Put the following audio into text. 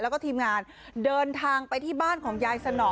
แล้วก็ทีมงานเดินทางไปที่บ้านของยายสนอ